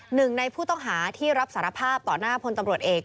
หนึ่งในผู้ต้องหาที่รับสารภาพต่อหน้าพลตำรวจเอก